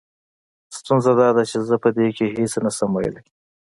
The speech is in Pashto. ستونزه دا ده چې زه په دې کې هېڅ نه شم ويلې.